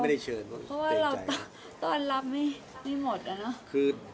เพราะว่าเราต้อนรับไม่หมด